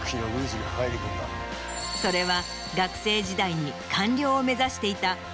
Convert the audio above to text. それは。